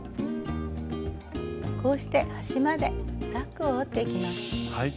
こうして端までタックを折っていきます。